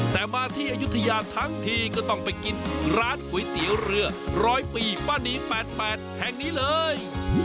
แต่มาที่อายุทยาทั้งทีก็ต้องไปกินร้านก๋วยเตี๋ยวเรือ๑๐๐ปีป้านี๘๘แห่งนี้เลย